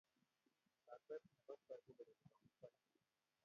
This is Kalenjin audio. Lakwet ne kostoi ko beruri kamuktoindet